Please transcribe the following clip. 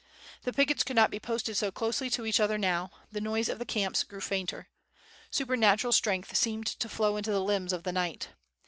The pickets could not be posted so closely to each other now, the noise of the camps grew fainter. Supernatural strength seemed to flow into the limbs of the knight.